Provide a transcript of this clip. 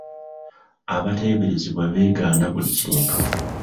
Abateeberezebwa beegaana buli kintu.